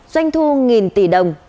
doanh thu nghìn tỷ đồng